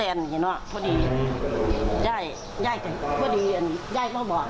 และพอดียายก็บอก